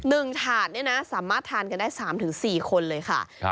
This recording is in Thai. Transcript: ถาดเนี่ยนะสามารถทานกันได้สามถึงสี่คนเลยค่ะครับ